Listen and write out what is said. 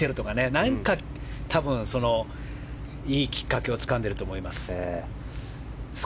何かいいきっかけをつかんでいると思います。